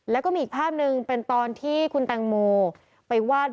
แล้วก็มีอีกภาพหนึ่งเป็นตอนที่คุณแตงโมไปวาด